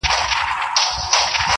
دادی بیا نمک پاسي ده، پر زخمونو د ځپلو~